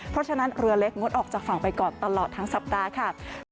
เพราะฉะนั้นเรือเล็กงดออกจากฝั่งไปก่อนตลอดทั้งสัปดาห์ค่ะ